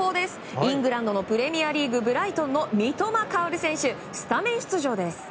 イングランドのプレミアリーグブライトンの三笘薫選手、スタメン出場です。